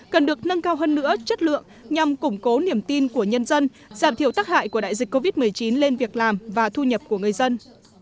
cần được nâng cao hơn nữa chất lượng nhằm củng cố niềm tin của nhân dân giảm thiểu tắc hại của đại dịch covid một mươi chín lên việc làm và thu nhập của người dân